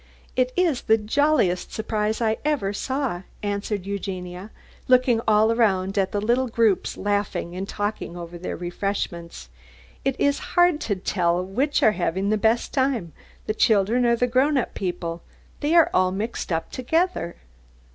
"It is the jolliest surprise I ever saw," answered Eugenia, looking all around at the little groups laughing and talking over their refreshments. "It is hard to tell which are having the best time, the children or the grown people; they are all mixed up together."